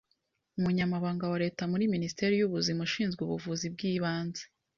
Umunyamabanga wa Leta muri Minisiteri y’Ubuzima ushinzwe ubuvuzi bw’ibanze,